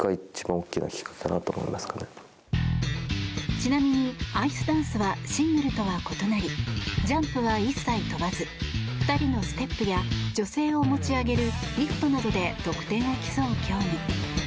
ちなみにアイスダンスはシングルとは異なりジャンプは一切飛ばず２人のステップや女性を持ち上げるリフトなどで得点を競う競技。